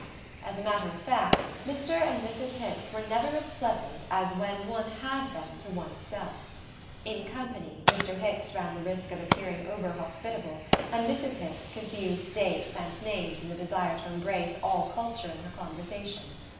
As a matter of fact, Mr. and Mrs. Hicks were never as pleasant as when one had them to one's self. In company, Mr. Hicks ran the risk of appearing over hospitable, and Mrs. Hicks confused dates and names in the desire to embrace all culture in her conversation.